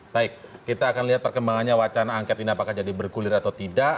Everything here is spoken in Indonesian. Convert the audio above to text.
baik kita akan lihat perkembangannya wacana angket ini apakah jadi bergulir atau tidak